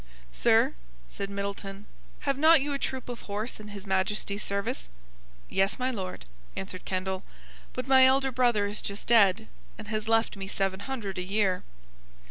"Sir," said Middleton, "have not you a troop of horse in His Majesty's service?" "Yes, my Lord," answered Kendall: "but my elder brother is just dead, and has left me seven hundred a year."